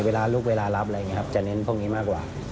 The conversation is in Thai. เวลาลุกเวลารับอะไรอย่างนี้ครับจะเน้นพวกนี้มากกว่า